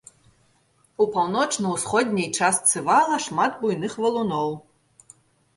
У паўночна-ўсходняй частцы вала шмат буйных валуноў.